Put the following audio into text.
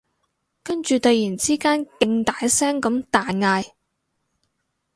跟住突然之間勁大聲咁大嗌